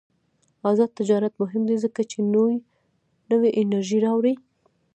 آزاد تجارت مهم دی ځکه چې نوې انرژي راوړي.